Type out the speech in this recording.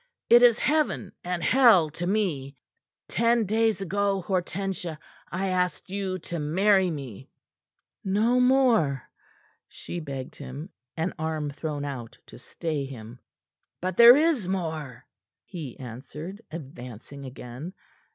It is Heaven and Hell to me. Ten days ago, Hortensia, I asked you to marry me " "No more," she begged him, an arm thrown out to stay him. "But there is more," he answered, advancing again.